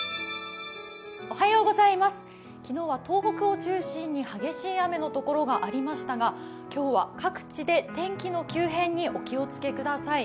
昨日は東北を中心に激しい雨のところがありましたが、今日は各地で天気の急変にお気をつけください。